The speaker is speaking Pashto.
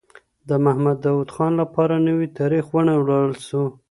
د محمد داوود خان لپاره نوی تاریخ ونړول سو.